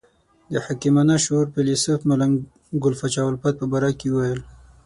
د حکیمانه شعور فیلسوف ملنګ ګل پاچا الفت په باره کې ویل.